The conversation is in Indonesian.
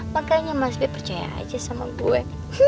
makanya mas b percaya aja sama gue